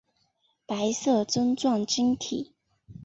白色针状晶体。